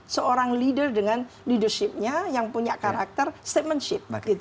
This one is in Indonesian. seorang pemimpin yang leader dengan leadership nya yang punya karakter statementship